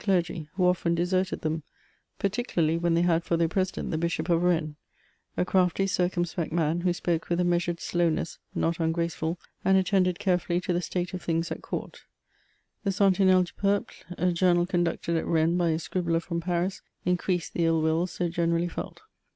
clergy, who often deserted them, particularly when they had for their president the Bishop <of Rennes, a crafty, circumspect man, who spoke widi a measured slowness npt ungraceful, and attended carefully to the state of things at court. The Sentinelle du Peuple, a journal conducted at Rennes by a scribbler from Paris, increased the ill will so generally felt.